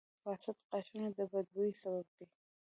• فاسد غاښونه د بد بوي سبب دي.